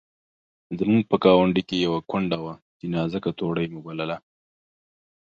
زموږ په ګاونډ کې یوه کونډه وه چې نازکه توړۍ مو بلله.